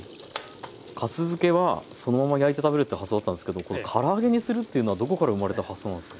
かす漬けはそのまま焼いて食べるって発想だったんですけどこのから揚げにするというのはどこから生まれた発想なんですか？